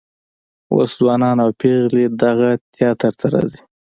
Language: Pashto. اوس ځوانان او پیغلې دغه تیاتر ته راځي.